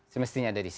semestinya ada di sini